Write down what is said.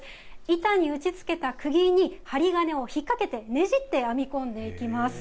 板に打ち付けたくぎに針金を引っかけてねじって編み込んでいきます。